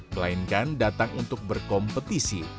melainkan datang untuk berkompetisi